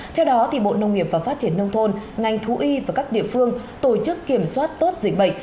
theo đó bộ nông nghiệp và phát triển nông thôn ngành thú y và các địa phương tổ chức kiểm soát tốt dịch bệnh